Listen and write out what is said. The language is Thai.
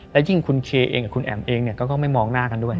และยิ่งคุณเคเองกับคุณแอ๋มเองก็ไม่มองหน้ากันด้วย